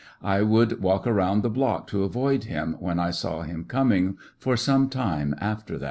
I would walk around the block to avoid him, when I saw him coming, for some time after that.